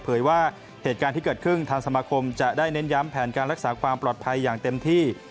ว่าเหตุการณ์ที่เกิดขึ้นทางสมาคมจะได้เน้นย้ำแผนการรักษาความปลอดภัยอย่างเต็มที่